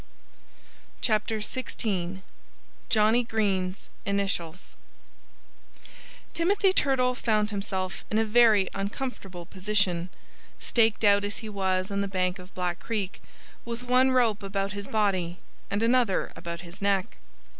XVI JOHNNIE GREEN'S INITIALS Timothy Turtle found himself in a very uncomfortable position, staked out as he was on the bank of Black Creek, with one rope about his body and another about his neck.